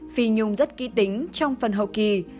phi nhung rất kỹ tính trong phần hậu kỳ